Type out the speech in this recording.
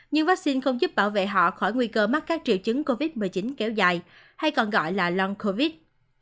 nhưng vaccine không giúp bảo vệ họ khỏi nguy cơ mắc các triệu chứng covid một mươi chín kéo dài hay còn gọi là loan covid